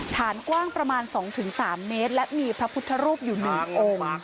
ฐานกว้างประมาณ๒๓เมตรและมีพระพุทธรูปอยู่๑องค์